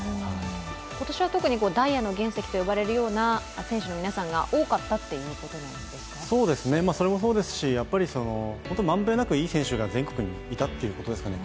今年は特にダイヤの原石と言われるような選手の皆さんがそれもそうですし、満遍なくいい選手が全国にいたということですかね。